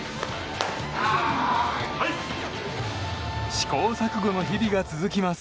試行錯誤の日々が続きます。